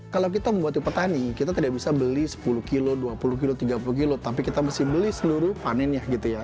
kalau kita membuat petani kita tidak bisa beli sepuluh kg dua puluh kg tiga puluh kg tapi kita harus beli seluruh panennya